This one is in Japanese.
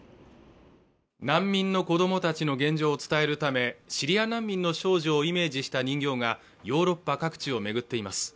難民の子どもたちの現状を伝えるためシリア難民の少女をイメージした人形がヨーロッパ各地を巡っています